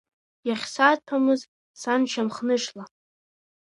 Иахьсаҭәамыз саншьамхнышла…